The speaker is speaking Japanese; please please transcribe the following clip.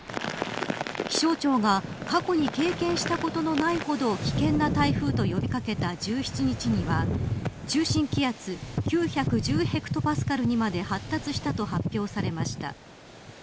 気象庁が、過去に経験したことのないほど危険な台風と呼び掛けた１７日には中心気圧９１０ヘクトパスカルにまで発達したと発表されました。